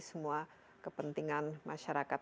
semua kepentingan masyarakat